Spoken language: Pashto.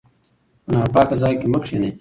په ناپاکه ځای کې مه کښینئ.